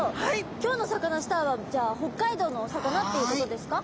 今日のサカナスターはじゃあ北海道のお魚っていうことですか？